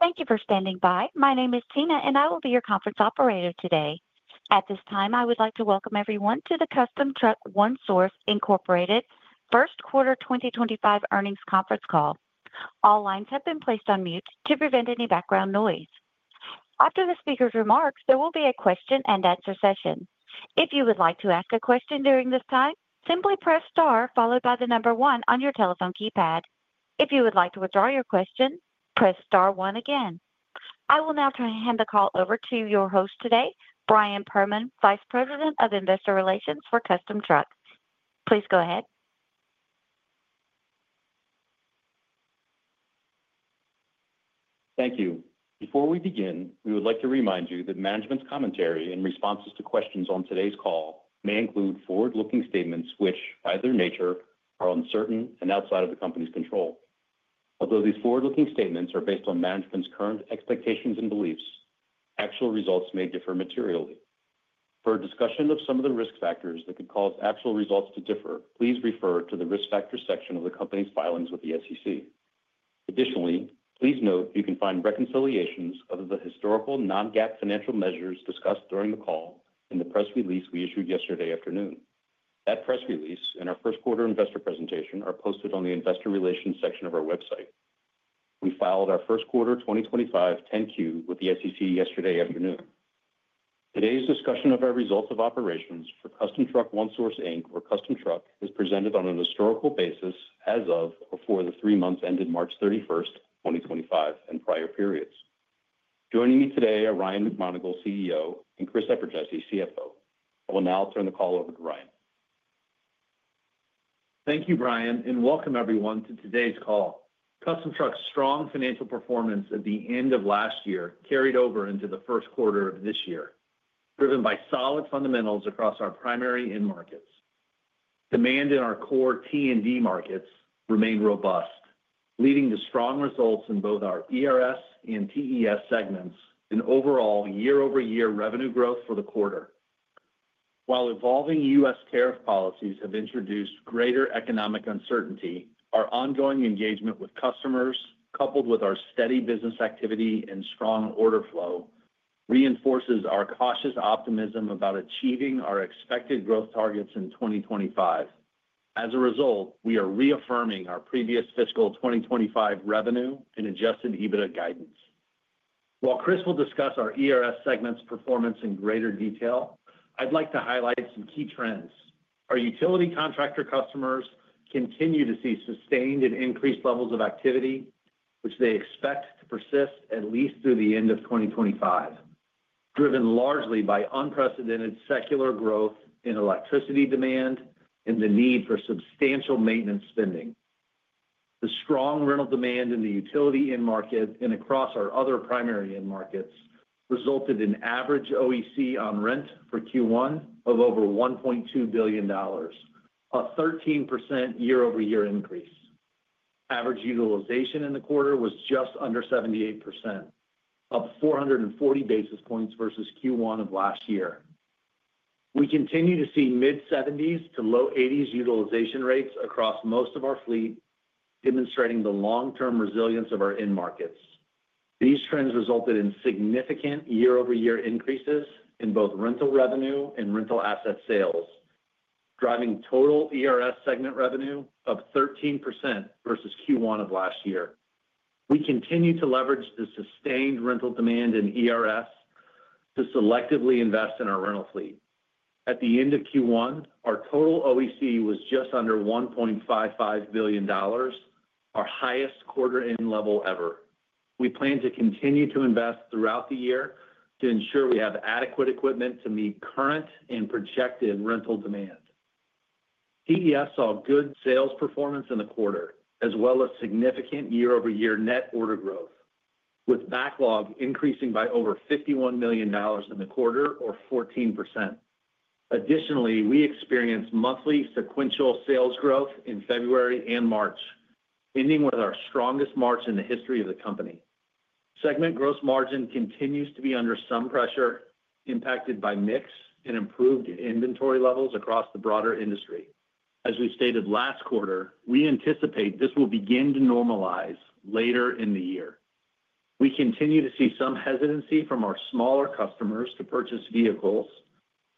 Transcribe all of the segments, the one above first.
Thank you for standing by. My name is Tina, and I will be your conference operator today. At this time, I would like to welcome everyone to the Custom Truck One Source first quarter 2025 earnings conference call. All lines have been placed on mute to prevent any background noise. After the speaker's remarks, there will be a question and answer session. If you would like to ask a question during this time, simply press star followed by the number one on your telephone keypad. If you would like to withdraw your question, press star one again. I will now turn the call over to your host today, Brian Perman, Vice President of Investor Relations for Custom Truck. Please go ahead. Thank you. Before we begin, we would like to remind you that management's commentary and responses to questions on today's call may include forward-looking statements which, by their nature, are uncertain and outside of the company's control. Although these forward-looking statements are based on management's current expectations and beliefs, actual results may differ materially. For a discussion of some of the risk factors that could cause actual results to differ, please refer to the risk factors section of the company's filings with the SEC. Additionally, please note you can find reconciliations of the historical non-GAAP financial measures discussed during the call in the press release we issued yesterday afternoon. That press release and our first quarter investor presentation are posted on the investor relations section of our website. We filed our first quarter 2025 10-Q with the SEC yesterday afternoon. Today's discussion of our results of operations for Custom Truck One Source, or Custom Truck, is presented on a historical basis as of or for the three months ended March 31, 2025, and prior periods. Joining me today are Ryan McMonagle, CEO, and Chris Eperjesy, CFO. I will now turn the call over to Ryan. Thank you, Brian, and welcome everyone to today's call. Custom Truck's strong financial performance at the end of last year carried over into the first quarter of this year, driven by solid fundamentals across our primary end markets. Demand in our core T&D markets remained robust, leading to strong results in both our ERS and TES segments and overall year-over-year revenue growth for the quarter. While evolving U.S. tariff policies have introduced greater economic uncertainty, our ongoing engagement with customers, coupled with our steady business activity and strong order flow, reinforces our cautious optimism about achieving our expected growth targets in 2025. As a result, we are reaffirming our previous fiscal 2025 revenue and adjusted EBITDA guidance. While Chris will discuss our ERS segment's performance in greater detail, I'd like to highlight some key trends. Our utility contractor customers continue to see sustained and increased levels of activity, which they expect to persist at least through the end of 2025, driven largely by unprecedented secular growth in electricity demand and the need for substantial maintenance spending. The strong rental demand in the utility end market and across our other primary end markets resulted in average OEC on rent for Q1 of over $1.2 billion, a 13% year-over-year increase. Average utilization in the quarter was just under 78%, up 440 basis points versus Q1 of last year. We continue to see mid-70s to low-80s utilization rates across most of our fleet, demonstrating the long-term resilience of our end markets. These trends resulted in significant year-over-year increases in both rental revenue and rental asset sales, driving total ERS segment revenue up 13% versus Q1 of last year. We continue to leverage the sustained rental demand in ERS to selectively invest in our rental fleet. At the end of Q1, our total OEC was just under $1.55 billion, our highest quarter-end level ever. We plan to continue to invest throughout the year to ensure we have adequate equipment to meet current and projected rental demand. TES saw good sales performance in the quarter, as well as significant year-over-year net order growth, with backlog increasing by over $51 million in the quarter, or 14%. Additionally, we experienced monthly sequential sales growth in February and March, ending with our strongest March in the history of the company. Segment gross margin continues to be under some pressure, impacted by mix and improved inventory levels across the broader industry. As we stated last quarter, we anticipate this will begin to normalize later in the year. We continue to see some hesitancy from our smaller customers to purchase vehicles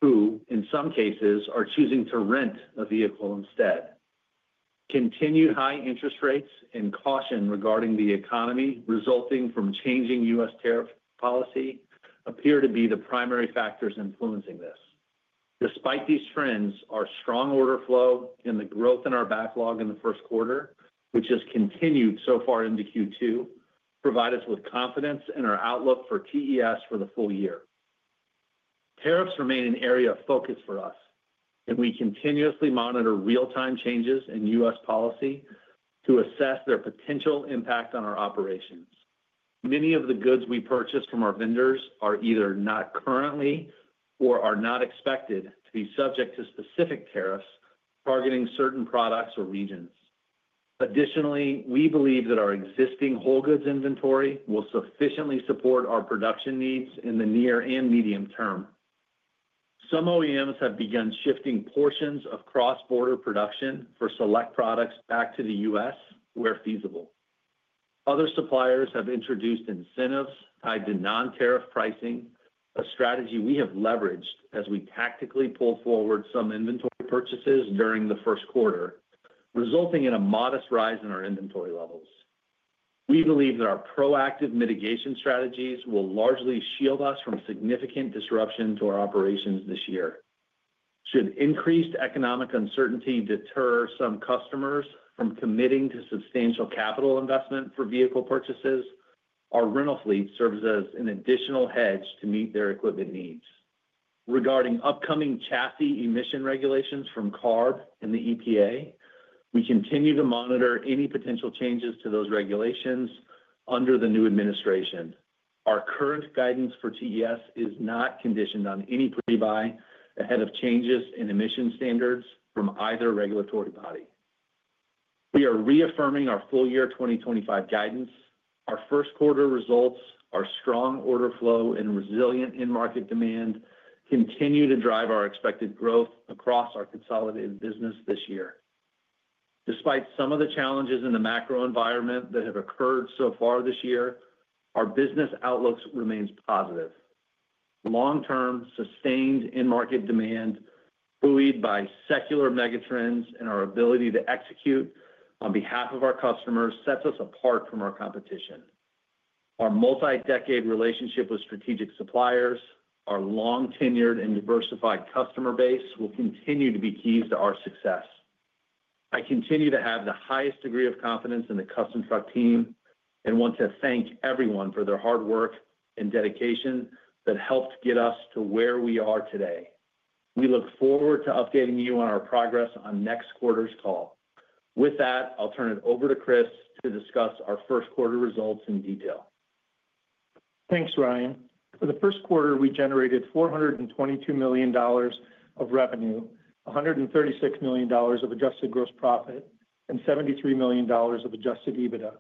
who, in some cases, are choosing to rent a vehicle instead. Continued high interest rates and caution regarding the economy resulting from changing U.S. tariff policy appear to be the primary factors influencing this. Despite these trends, our strong order flow and the growth in our backlog in the first quarter, which has continued so far into Q2, provide us with confidence in our outlook for TES for the full year. Tariffs remain an area of focus for us, and we continuously monitor real-time changes in U.S. policy to assess their potential impact on our operations. Many of the goods we purchase from our vendors are either not currently or are not expected to be subject to specific tariffs targeting certain products or regions. Additionally, we believe that our existing whole goods inventory will sufficiently support our production needs in the near and medium term. Some OEMs have begun shifting portions of cross-border production for select products back to the U.S. where feasible. Other suppliers have introduced incentives tied to non-tariff pricing, a strategy we have leveraged as we tactically pulled forward some inventory purchases during the first quarter, resulting in a modest rise in our inventory levels. We believe that our proactive mitigation strategies will largely shield us from significant disruption to our operations this year. Should increased economic uncertainty deter some customers from committing to substantial capital investment for vehicle purchases, our rental fleet serves as an additional hedge to meet their equipment needs. Regarding upcoming chassis emission regulations from CARB and the EPA, we continue to monitor any potential changes to those regulations under the new administration. Our current guidance for TES is not conditioned on any prebuy ahead of changes in emission standards from either regulatory body. We are reaffirming our full-year 2025 guidance. Our first quarter results, our strong order flow, and resilient end market demand continue to drive our expected growth across our consolidated business this year. Despite some of the challenges in the macro environment that have occurred so far this year, our business outlook remains positive. Long-term sustained end market demand, buoyed by secular megatrends and our ability to execute on behalf of our customers, sets us apart from our competition. Our multi-decade relationship with strategic suppliers, our long-tenured and diversified customer base, will continue to be keys to our success. I continue to have the highest degree of confidence in the Custom Truck team and want to thank everyone for their hard work and dedication that helped get us to where we are today. We look forward to updating you on our progress on next quarter's call. With that, I'll turn it over to Chris to discuss our first quarter results in detail. Thanks, Ryan. For the first quarter, we generated $422 million of revenue, $136 million of adjusted gross profit, and $73 million of adjusted EBITDA.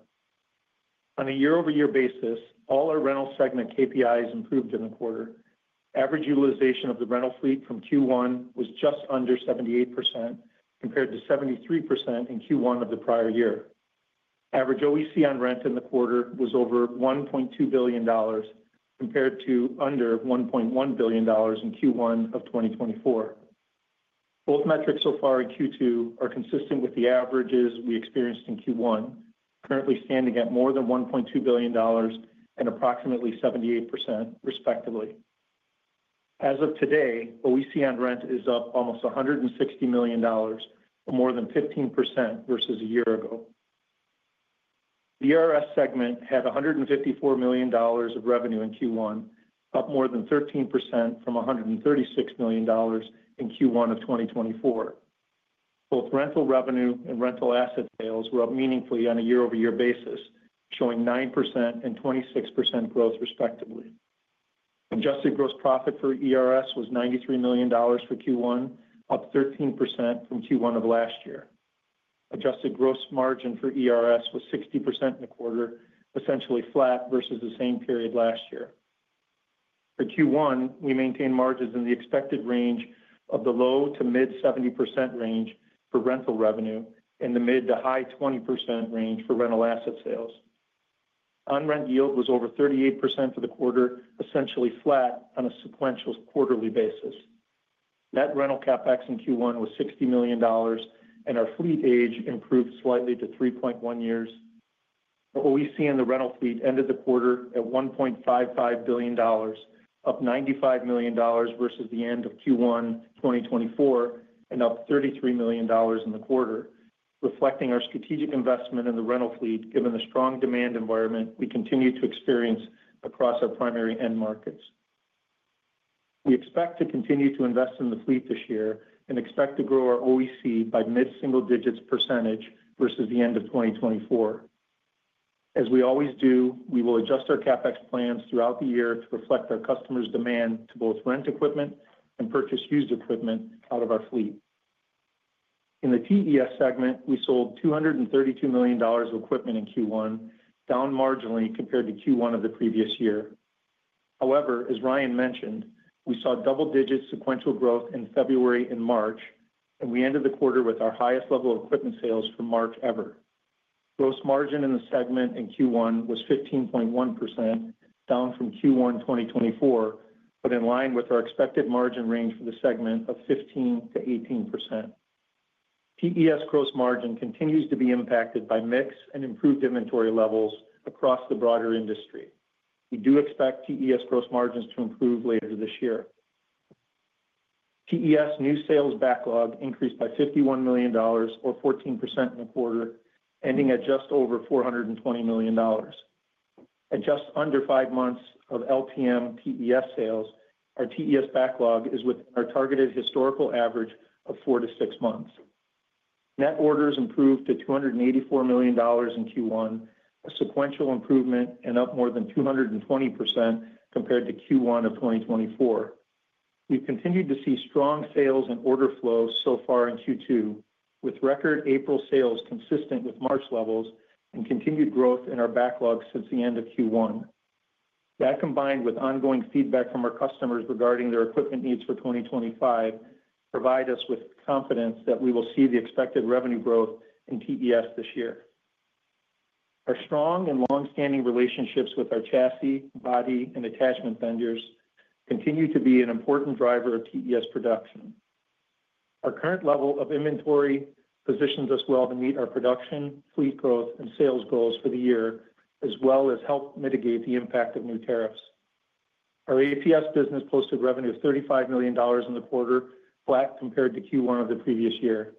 On a year-over-year basis, all our rental segment KPIs improved in the quarter. Average utilization of the rental fleet from Q1 was just under 78% compared to 73% in Q1 of the prior year. Average OEC on rent in the quarter was over $1.2 billion compared to under $1.1 billion in Q1 of 2023. Both metrics so far in Q2 are consistent with the averages we experienced in Q1, currently standing at more than $1.2 billion and approximately 78%, respectively. As of today, OEC on rent is up almost $160 million, more than 15% versus a year ago. The ERS segment had $154 million of revenue in Q1, up more than 13% from $136 million in Q1 of 2023. Both rental revenue and rental asset sales were up meaningfully on a year-over-year basis, showing 9% and 26% growth, respectively. Adjusted gross profit for ERS was $93 million for Q1, up 13% from Q1 of last year. Adjusted gross margin for ERS was 60% in the quarter, essentially flat versus the same period last year. For Q1, we maintained margins in the expected range of the low to mid-70% range for rental revenue and the mid to high 20% range for rental asset sales. On-rent yield was over 38% for the quarter, essentially flat on a sequential quarterly basis. Net rental CapEx in Q1 was $60 million, and our fleet age improved slightly to 3.1 years. OEC on the rental fleet ended the quarter at $1.55 billion, up $95 million versus the end of Q1 2024, and up $33 million in the quarter, reflecting our strategic investment in the rental fleet given the strong demand environment we continue to experience across our primary end markets. We expect to continue to invest in the fleet this year and expect to grow our OEC by mid-single digits % versus the end of 2024. As we always do, we will adjust our CapEx plans throughout the year to reflect our customers' demand to both rent equipment and purchase used equipment out of our fleet. In the TES segment, we sold $232 million of equipment in Q1, down marginally compared to Q1 of the previous year. However, as Ryan mentioned, we saw double-digit sequential growth in February and March, and we ended the quarter with our highest level of equipment sales for March ever. Gross margin in the segment in Q1 was 15.1%, down from Q1 2024, but in line with our expected margin range for the segment of 15%-18%. TES gross margin continues to be impacted by mix and improved inventory levels across the broader industry. We do expect TES gross margins to improve later this year. TES new sales backlog increased by $51 million, or 14% in the quarter, ending at just over $420 million. At just under five months of LPM TES sales, our TES backlog is within our targeted historical average of four to six months. Net orders improved to $284 million in Q1, a sequential improvement and up more than 220% compared to Q1 of 2024. We've continued to see strong sales and order flow so far in Q2, with record April sales consistent with March levels and continued growth in our backlog since the end of Q1. That combined with ongoing feedback from our customers regarding their equipment needs for 2025 provides us with confidence that we will see the expected revenue growth in TES this year. Our strong and long-standing relationships with our chassis, body, and attachment vendors continue to be an important driver of TES production. Our current level of inventory positions us well to meet our production, fleet growth, and sales goals for the year, as well as help mitigate the impact of new tariffs. Our APS business posted revenue of $35 million in the quarter, flat compared to Q1 of the previous year.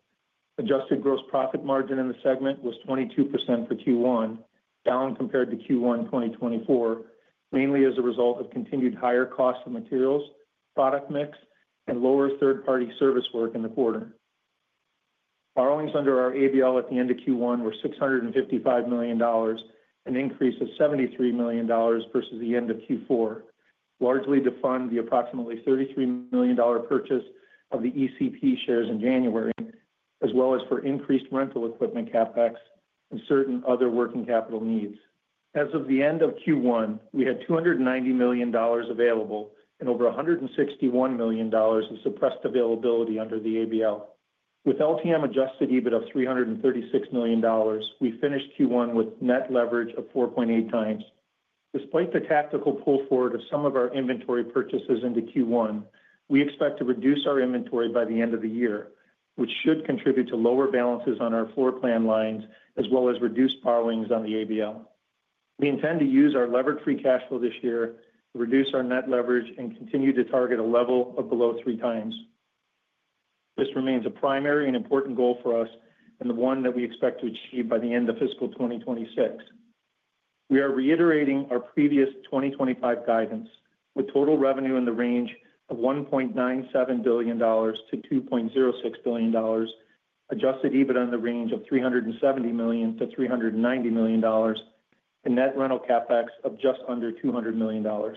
Adjusted gross profit margin in the segment was 22% for Q1, down compared to Q1 2024, mainly as a result of continued higher costs of materials, product mix, and lower third-party service work in the quarter. Borrowings under our ABL at the end of Q1 were $655 million, an increase of $73 million versus the end of Q4, largely to fund the approximately $33 million purchase of the ECP shares in January, as well as for increased rental equipment CapEx and certain other working capital needs. As of the end of Q1, we had $290 million available and over $161 million of suppressed availability under the ABL. With LTM adjusted EBITDA of $336 million, we finished Q1 with net leverage of 4.8 times. Despite the tactical pull forward of some of our inventory purchases into Q1, we expect to reduce our inventory by the end of the year, which should contribute to lower balances on our floor plan lines, as well as reduced borrowings on the ABL. We intend to use our levered free cash flow this year to reduce our net leverage and continue to target a level of below three times. This remains a primary and important goal for us and the one that we expect to achieve by the end of fiscal 2026. We are reiterating our previous 2025 guidance with total revenue in the range of $1.97 billion-$2.06 billion, adjusted EBITDA in the range of $370 million-$390 million, and net rental CapEx of just under $200 million. Our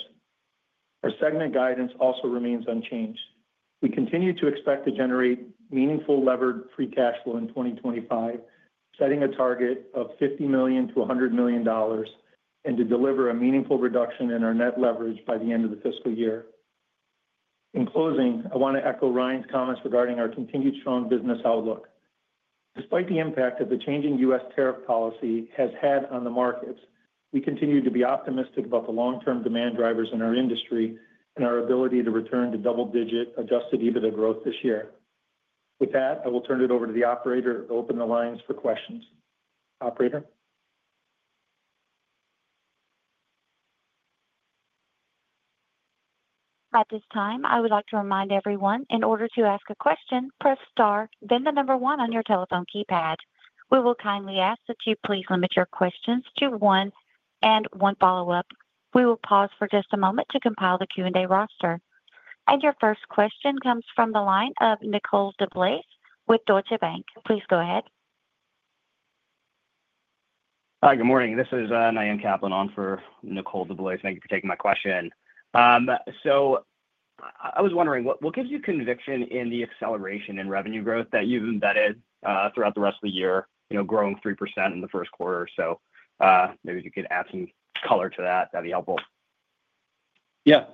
segment guidance also remains unchanged. We continue to expect to generate meaningful levered free cash flow in 2025, setting a target of $50 million-$100 million, and to deliver a meaningful reduction in our net leverage by the end of the fiscal year. In closing, I want to echo Ryan's comments regarding our continued strong business outlook. Despite the impact that the changing U.S. tariff policy has had on the markets, we continue to be optimistic about the long-term demand drivers in our industry and our ability to return to double-digit adjusted EBITDA growth this year. With that, I will turn it over to the operator to open the lines for questions. Operator. At this time, I would like to remind everyone, in order to ask a question, press star, then the number one on your telephone keypad. We will kindly ask that you please limit your questions to one and one follow-up. We will pause for just a moment to compile the Q&A roster. Your first question comes from the line of Nicole DeBlase with Deutsche Bank. Please go ahead. Hi, good morning. This is Naim Kaplan on for Nicole DeBlase. Thank you for taking my question. I was wondering, what gives you conviction in the acceleration in revenue growth that you've embedded throughout the rest of the year, growing 3% in the first quarter? If you could add some color to that, that'd be helpful. Yeah.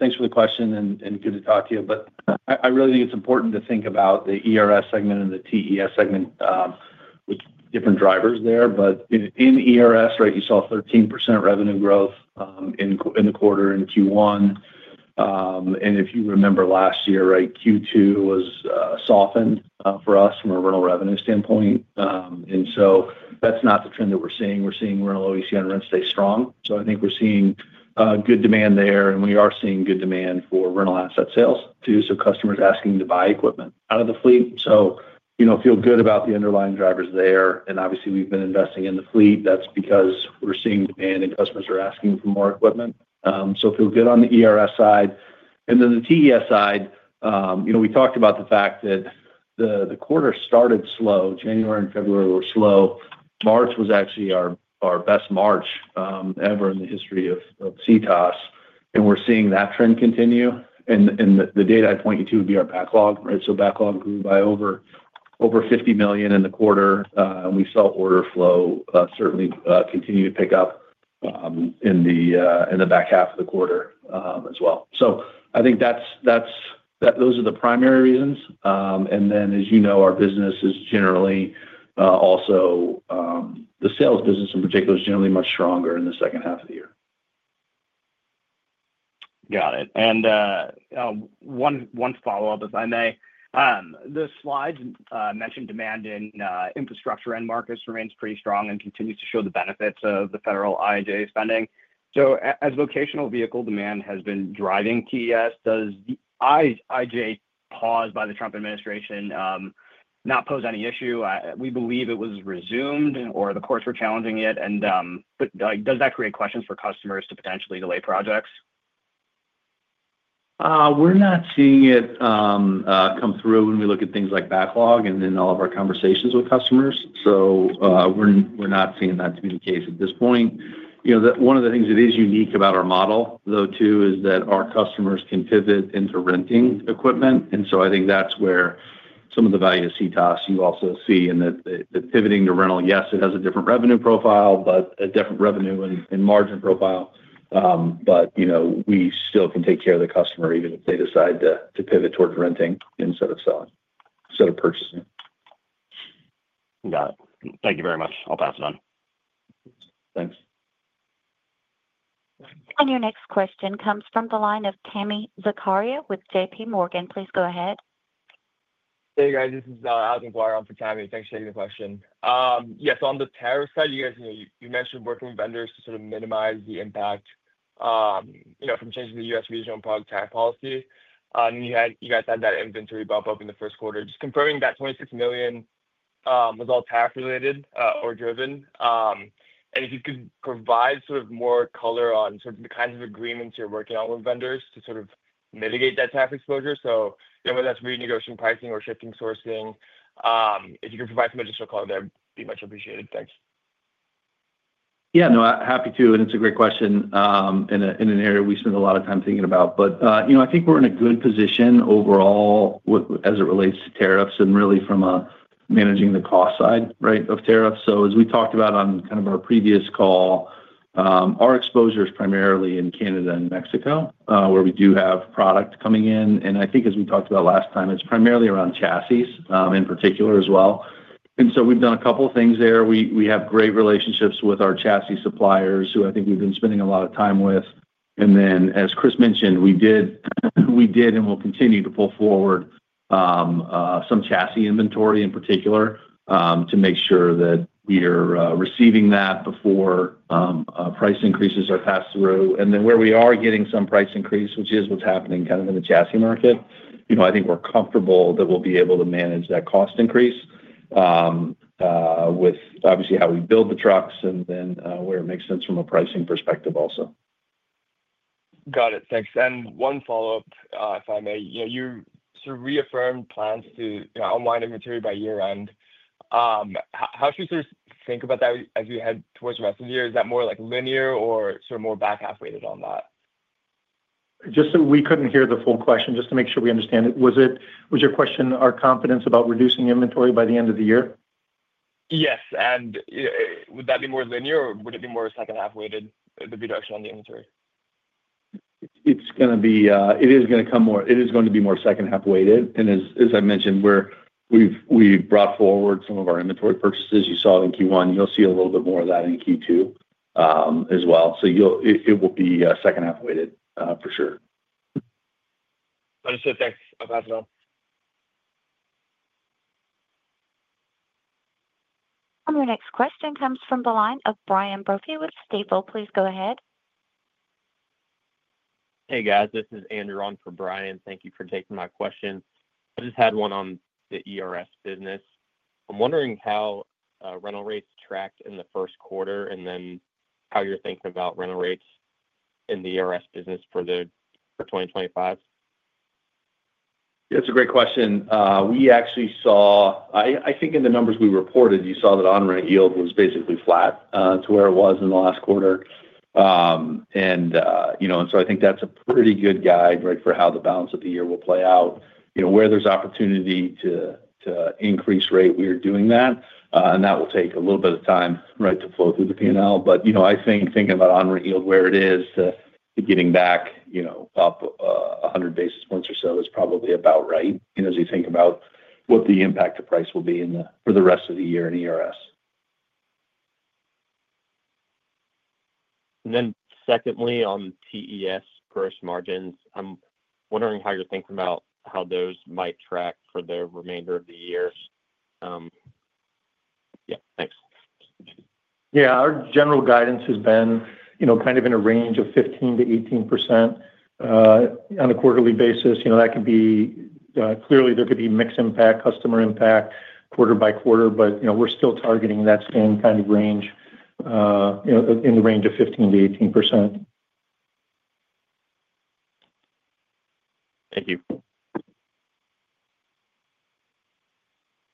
Thanks for the question and good to talk to you. I really think it's important to think about the ERS segment and the TES segment with different drivers there. In ERS, you saw 13% revenue growth in the quarter in Q1. If you remember last year, Q2 was softened for us from a rental revenue standpoint. That's not the trend that we're seeing. We're seeing rental OEC on rent stay strong. I think we're seeing good demand there, and we are seeing good demand for rental asset sales too. Customers asking to buy equipment out of the fleet. Feel good about the underlying drivers there. Obviously, we've been investing in the fleet. That's because we're seeing demand and customers are asking for more equipment. Feel good on the ERS side. The TES side, we talked about the fact that the quarter started slow. January and February were slow. March was actually our best March ever in the history of CTOS. We're seeing that trend continue. The data I point you to would be our backlog. Backlog grew by over $50 million in the quarter. We saw order flow certainly continue to pick up in the back half of the quarter as well. I think those are the primary reasons. As you know, our business is generally also, the sales business in particular is generally much stronger in the second half of the year. Got it. One follow-up, if I may. The slides mentioned demand in infrastructure end markets remains pretty strong and continues to show the benefits of the federal IIJA spending. As vocational vehicle demand has been driving TES, does the IIJA pause by the Trump administration not pose any issue? We believe it was resumed or the courts were challenging it. Does that create questions for customers to potentially delay projects? We're not seeing it come through when we look at things like backlog and in all of our conversations with customers. We're not seeing that to be the case at this point. One of the things that is unique about our model, though, too, is that our customers can pivot into renting equipment. I think that's where some of the value of CTOS you also see in the pivoting to rental. Yes, it has a different revenue profile, but a different revenue and margin profile. We still can take care of the customer even if they decide to pivot towards renting instead of selling, instead of purchasing. Got it. Thank you very much. I'll pass it on. Thanks. Your next question comes from the line of Tamy Zakaria with J.P. Morgan. Please go ahead. Hey, guys. This is Allan Fowler on for Tammy. Thanks for taking the question. Yeah. On the tariff side, you mentioned working with vendors to sort of minimize the impact from changing the U.S. regional product tax policy. You guys had that inventory bump up in the first quarter. Just confirming that $26 million was all tax-related or driven. If you could provide more color on the kinds of agreements you're working on with vendors to mitigate that tax exposure, whether that's renegotiating pricing or shifting sourcing, if you could provide some additional color, that'd be much appreciated. Thanks. Yeah. No, happy to. It's a great question in an area we spend a lot of time thinking about. I think we're in a good position overall as it relates to tariffs and really from managing the cost side, right, of tariffs. As we talked about on kind of our previous call, our exposure is primarily in Canada and Mexico, where we do have product coming in. I think as we talked about last time, it's primarily around chassis in particular as well. We've done a couple of things there. We have great relationships with our chassis suppliers who I think we've been spending a lot of time with. As Chris mentioned, we did and will continue to pull forward some chassis inventory in particular to make sure that we are receiving that before price increases are passed through. Where we are getting some price increase, which is what's happening kind of in the chassis market, I think we're comfortable that we'll be able to manage that cost increase with, obviously, how we build the trucks and then where it makes sense from a pricing perspective also. Got it. Thanks. One follow-up, if I may. You sort of reaffirmed plans to unwind inventory by year-end. How should we sort of think about that as we head towards the rest of the year? Is that more linear or sort of more back half-weighted on that? Just so we could not hear the full question, just to make sure we understand it, was your question our confidence about reducing inventory by the end of the year? Yes. Would that be more linear or would it be more second-half-weighted, the reduction on the inventory? It is going to be more second-half-weighted. As I mentioned, we have brought forward some of our inventory purchases. You saw it in Q1. You will see a little bit more of that in Q2 as well. It will be second-half-weighted for sure. Understood. Thanks. I'll pass it on. Our next question comes from the line of Brian Brophy with Stifel. Please go ahead. Hey, guys. This is Andrew on for Brian. Thank you for taking my question. I just had one on the ERS business. I'm wondering how rental rates tracked in the first quarter and then how you're thinking about rental rates in the ERS business for 2025. Yeah. It's a great question. We actually saw, I think in the numbers we reported, you saw that on-rent yield was basically flat to where it was in the last quarter. I think that's a pretty good guide, right, for how the balance of the year will play out. Where there's opportunity to increase rate, we are doing that. That will take a little bit of time, right, to flow through the P&L. I think thinking about on-rent yield where it is to getting back up 100 basis points or so is probably about right as you think about what the impact of price will be for the rest of the year in ERS. Secondly, on TES gross margins, I'm wondering how you're thinking about how those might track for the remainder of the year. Yeah. Thanks. Yeah. Our general guidance has been kind of in a range of 15-18% on a quarterly basis. That could be, clearly, there could be mixed impact, customer impact quarter by quarter, but we're still targeting that same kind of range in the range of 15-18%. Thank you.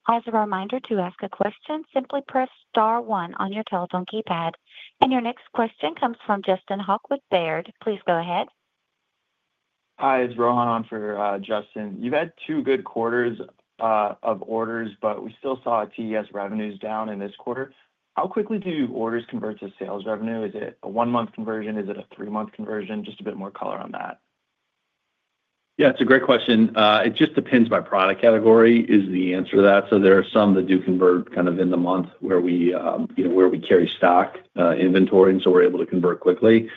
As a reminder to ask a question, simply press star one on your telephone keypad. Your next question comes from Justin Hauke with Baird. Please go ahead. Hi. It's Rohan on for Justin. You've had two good quarters of orders, but we still saw TES revenues down in this quarter. How quickly do orders convert to sales revenue? Is it a one-month conversion? Is it a three-month conversion? Just a bit more color on that. Yeah. It's a great question. It just depends by product category is the answer to that. There are some that do convert kind of in the month where we carry stock inventory and so we're able to convert quickly.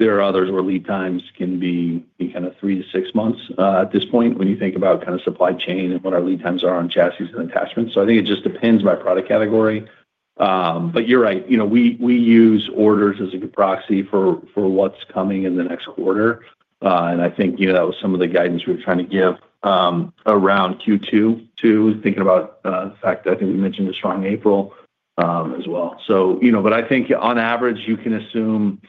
There are others where lead times can be kind of three to six months at this point when you think about kind of supply chain and what our lead times are on chassis and attachments. I think it just depends by product category. You're right. We use orders as a good proxy for what's coming in the next quarter. I think that was some of the guidance we were trying to give around Q2 too, thinking about the fact that I think we mentioned a strong April as well. I think on average, you can assume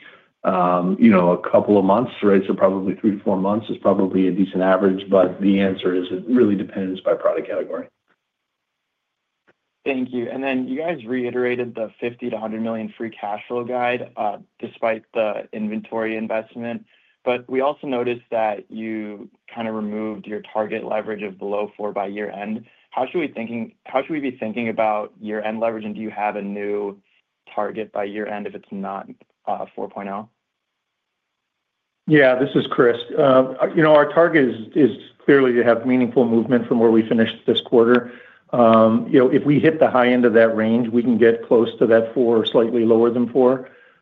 a couple of months, right, so probably three to four months is probably a decent average. The answer is it really depends by product category. Thank you. You guys reiterated the $50-$100 million free cash flow guide despite the inventory investment. We also noticed that you kind of removed your target leverage of below 4 by year-end. How should we be thinking about year-end leverage, and do you have a new target by year-end if it is not 4.0? Yeah. This is Chris. Our target is clearly to have meaningful movement from where we finished this quarter. If we hit the high end of that range, we can get close to that 4 or slightly lower than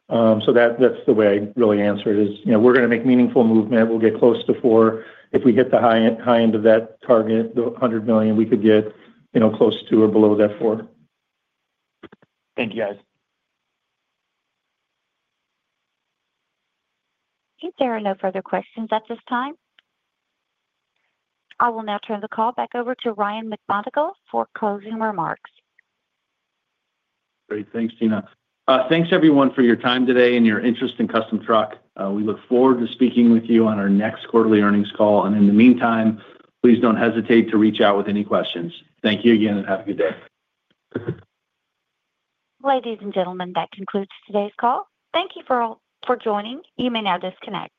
4. That is the way I really answer it is we are going to make meaningful movement. We will get close to 4. If we hit the high end of that target, the $100 million, we could get close to or below that 4. Thank you, guys. I think there are no further questions at this time. I will now turn the call back over to Ryan McMonagle for closing remarks. Great. Thanks, Tina. Thanks, everyone, for your time today and your interest in Custom Truck. We look forward to speaking with you on our next quarterly earnings call. In the meantime, please do not hesitate to reach out with any questions. Thank you again and have a good day. Ladies and gentlemen, that concludes today's call. Thank you for joining. You may now disconnect.